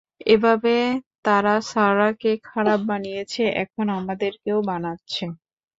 এভাবে তারা সারাহকে খারাপ বানিয়েছে, এখন আমাদেরকেও বানাচ্ছে।